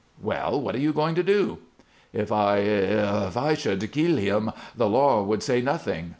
"Well, what are you going to do?" "If I if I should kill him, the law would say nothing.